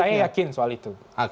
saya yakin soal itu